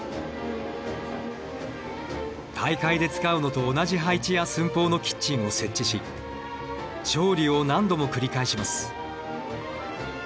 大会で使うのと同じ配置や寸法のキッチンを設置し調理を何度も繰り返します。